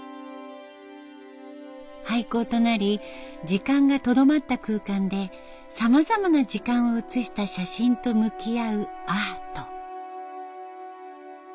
廃校となり時間がとどまった空間でさまざまな時間を写した写真と向き合うアート。